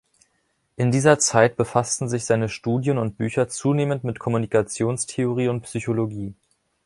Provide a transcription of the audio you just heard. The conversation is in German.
In dieser Zeit befassten sich seine Studien und Bücher zunehmend mit Kommunikationstheorie und Psychologie.